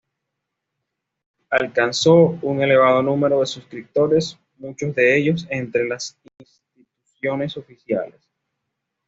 Alcanzó un elevado número de suscriptores, muchos de ellos entre las instituciones oficiales.